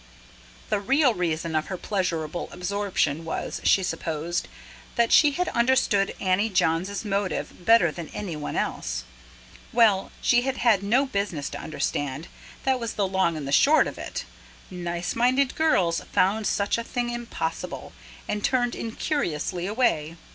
The real reason of her pleasurable absorption was, she supposed, that she had understood Annie Johns' motive better than anyone else. Well, she had had no business to understand that was the long and the short of it: nice minded girls found such a thing impossible, and turned incuriously away.